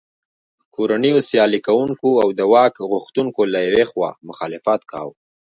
کورنیو سیالي کوونکو او د واک غوښتونکو له یوې خوا مخالفت کاوه.